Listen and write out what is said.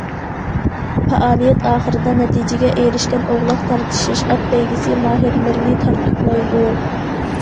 پائالىيەت ئاخىرىدا نەتىجىگە ئېرىشكەن ئوغلاق تارتىشىش، ئات بەيگىسى ماھىرلىرىنى تارتۇقلايدۇ.